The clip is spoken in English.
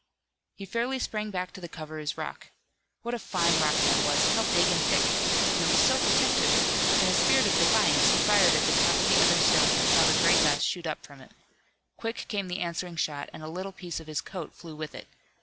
He fairly sprang back to the cover of his rock. What a fine rock that was! How big and thick! And it was so protective! In a spirit of defiance he fired at the top of the other stone and saw the gray dust shoot up from it. Quick came the answering shot, and a little piece of his coat flew with it.